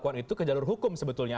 dan lakukan itu ke jalur hukum sebetulnya